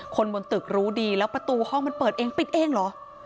คนบนตึกรู้ดีแล้วประตูห้องมันเปิดเองปิดเองเหรอ